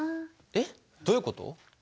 えっどういうこと？